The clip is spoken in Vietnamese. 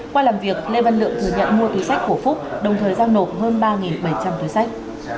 qua làm việc lê văn lượng thừa nhận mua túi sách của phúc đồng thời giao nộp hơn ba bảy trăm linh túi sách